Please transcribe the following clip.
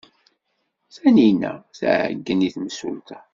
Tanina tɛeyyen i temsulta.